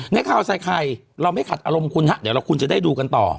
ในข่าวใส่ไข่เราไม่ขัดอารมณ์คุณฮะเดี๋ยวเราคุณจะได้ดูกันต่อ